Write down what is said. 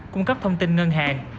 cung cấp thông tin ngân hàng